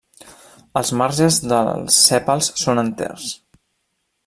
Els marges dels sèpals són enters.